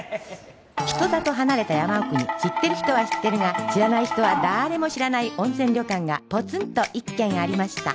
人里離れた山奥に知ってる人は知ってるが知らない人はだーれも知らない温泉旅館がポツンと一軒ありました